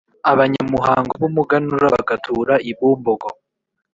abanyamuhango b’umuganura, bagatura i Bumbogo;